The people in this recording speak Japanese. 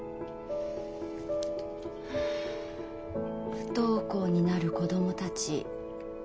不登校になる子供たち。